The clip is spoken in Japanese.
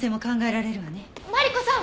マリコさん！